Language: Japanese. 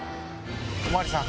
お巡りさん